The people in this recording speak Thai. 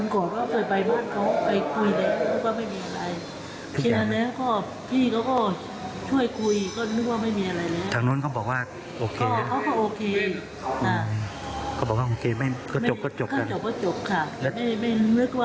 ก็จบก็จบกันค่ะไม่เหนือกว่าเขาจะเป็นแบบนั้น